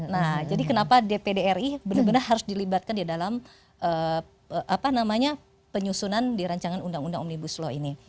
nah jadi kenapa dpd ri benar benar harus dilibatkan di dalam penyusunan di rancangan undang undang omnibus law ini